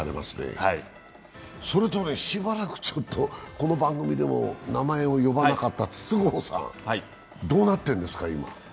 それとしばらくこの番組でも名前を呼ばなかった筒香さん、どうなってるんですか、今。